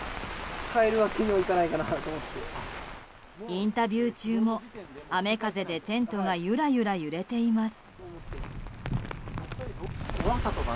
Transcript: インタビュー中も雨風でテントがゆらゆら揺れています。